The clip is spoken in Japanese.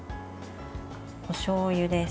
おしょうゆです。